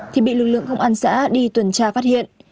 thì bị lực lượng không ăn xã đi tuần tra phát hiện